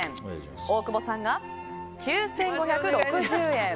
大久保さんが９５６０円。